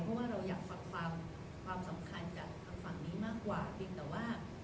เพราะว่าเราอยากฟังความสำคัญกับทางฝั่งนี้มากกว่าเพียงแต่ว่า